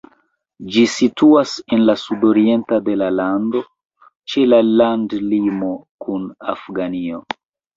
Ĝi situas en la sudoriento de la lando, ĉe la landlimo kun Afganio.